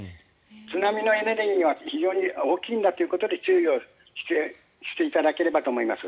津波のエネルギーは非常に大きいんだということで注意をしていただければと思います。